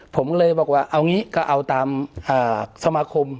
ผมก็เลยบอกว่าเอางี้ก็เอาตามสมาคม